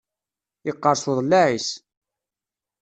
Yeqqers uḍellaɛ-is.